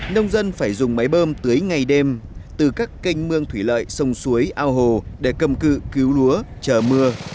nông dân phải dùng máy bơm tưới ngày đêm từ các kênh mương thủy lợi sông suối ao hồ để cầm cự cứu lúa chờ mưa